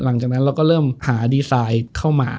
หลังจากนั้นเราก็เริ่มหาดีไซน์เข้ามา